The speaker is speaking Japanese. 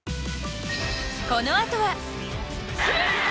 このあとは。